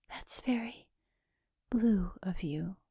"That's very ... blue of you."